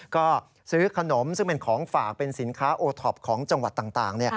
ก็ซื้อขนมซึ่งเป็นของฝากเป็นสินค้าโอท็อปของจังหวัดต่าง